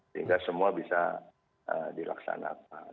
sehingga semua bisa dilaksanakan